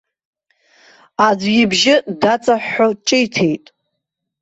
Аӡә ибжьы даҵаҳәҳәо ҿиҭит.